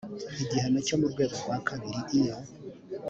igihano cyo mu rwego rwa kabiri iyo